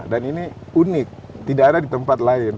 dan ini unik tidak ada di tempat lain